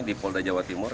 di polda jawa timur